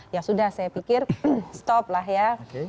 ya sudah saya pikir stop lah ya